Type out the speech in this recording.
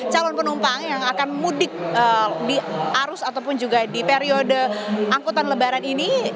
calon penumpang yang akan mudik di arus ataupun juga di periode angkutan lebaran ini